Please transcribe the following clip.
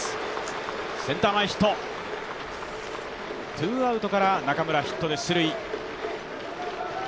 ツーアウトから中村、ヒットで出塁